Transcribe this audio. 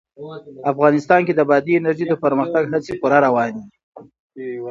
افغانستان کې د بادي انرژي د پرمختګ هڅې پوره روانې دي.